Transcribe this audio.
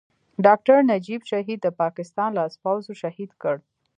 ډاکټر نجيب شهيد د پاکستان لاسپوڅو شهيد کړ.